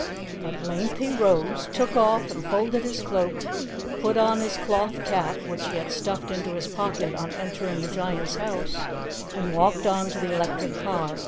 At length he rose, took off and folded his Cloak, put on his cloth cap, which he had stuffed into his pocket on entering the Giant's house, and walked on to the electric car.